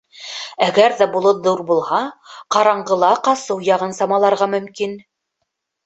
Әгәр ҙә болот ҙур булһа, ҡараңғыла ҡасыу яғын самаларға мөмкин.